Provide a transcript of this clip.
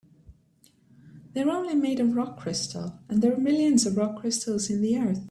They're only made of rock crystal, and there are millions of rock crystals in the earth.